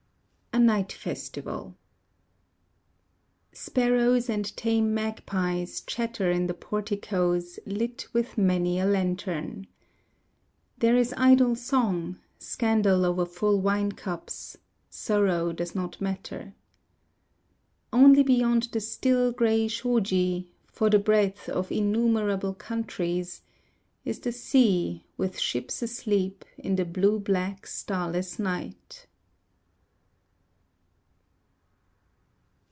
A Night Festival Sparrows and tame magpies chatter In the porticoes Lit with many a lantern. There is idle song, Scandal over full wine cups, Sorrow does not matter. Only beyond the still grey shoji For the breadth of innumerable countries, Is the sea with ships asleep In the blue black starless night.